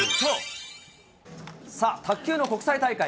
さあ、卓球の国際大会。